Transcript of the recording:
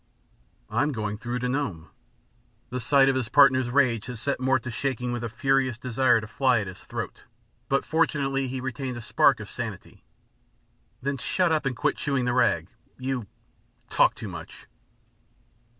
"I'm going through to Nome." The sight of his partner's rage had set Mort to shaking with a furious desire to fly at his throat, but fortunately, he retained a spark of sanity. "Then shut up, and quit chewing the rag. You talk too much."